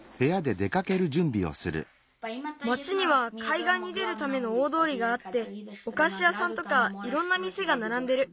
町にはかいがんに出るための大どおりがあっておかしやさんとかいろんなみせがならんでる。